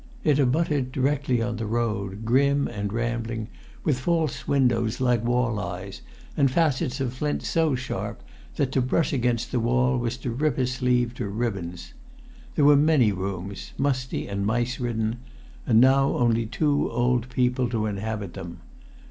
It abutted directly on the road, grim and rambling, with false windows like wall eyes, and facets of flint so sharp that to brush against the wall was to rip a sleeve to ribbons. There were many rooms, musty and mice ridden, and now only two old people to inhabit them.